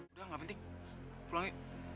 udah gak penting pulangin